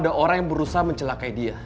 ada orang yang berusaha mencelakai dia